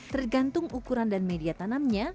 tergantung ukuran dan media tanamnya